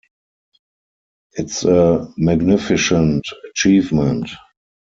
It's a magnificent achievement.